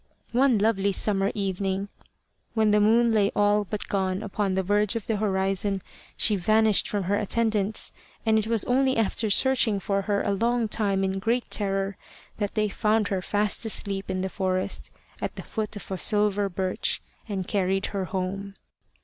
One lovely summer evening, when the moon lay all but gone upon the verge of the horizon, she vanished from her attendants, and it was only after searching for her a long time in great terror, that they found her fast asleep in the forest, at the foot of a silver birch, and carried her home.